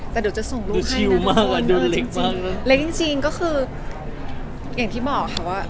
แต่เดี๋ยวจะส่งรูปให้นั่นเนอะจริงแล้วจริงก็คืออย่างที่บอกค่ะว่า